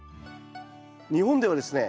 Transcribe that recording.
日本ではですね